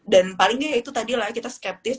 dan paling nggak ya itu tadi lah kita skeptis